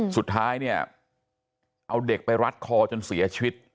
สุดท้ายเนี่ยเอาเด็กไปรัดคอจนเสียชีวิต